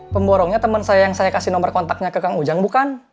pemborongnya teman saya yang saya kasih nomor kontaknya ke kang ujang bukan